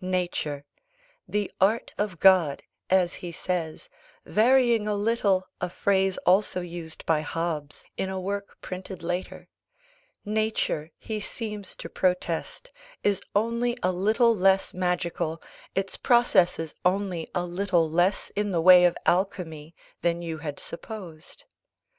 Nature, "the art of God," as he says, varying a little a phrase used also by Hobbes, in a work printed later Nature, he seems to protest, is only a little less magical, its processes only a little less in the way of alchemy, than you had supposed.